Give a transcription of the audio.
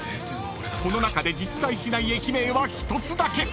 ［この中で実在しない駅名は１つだけ。